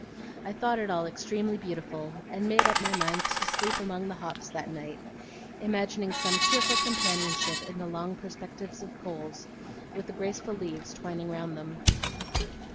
I thought it all extremely beautiful, and made up my mind to sleep among the hops that night: imagining some cheerful companionship in the long perspectives of poles, with the graceful leaves twining round them.